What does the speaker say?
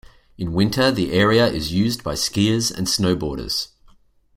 In winter the area is used by skiers and snowboarders.